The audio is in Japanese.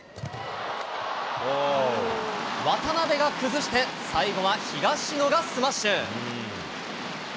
渡辺が崩して、最後は東野がスマッシュ。